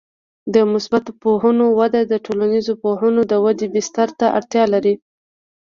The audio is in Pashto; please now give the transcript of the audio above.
د مثبته پوهنو وده د ټولنیزو پوهنو د ودې بستر ته اړتیا لري.